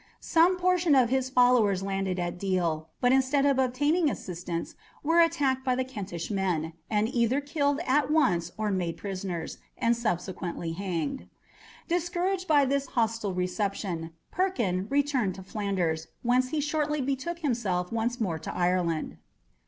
Some portion of his followers landed at Deal, but instead of obtaining assistance were attacked by the Kentish men, and either killed at once or made prisoners, and subsequently hanged. Discouraged by this hostile reception, "Perkin" returned to Flanders, whence he shortly betook himself once more to Ireland.